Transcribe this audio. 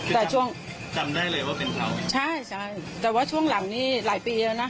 แต่ช่วงจำได้เลยว่าเป็นเขาใช่ใช่แต่ว่าช่วงหลังนี้หลายปีแล้วนะ